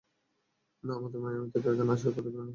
না, আমাদের মায়ামি থেকে এখানে আসার পথে বিমানে আলাপ হয়েছিল ছাড়া।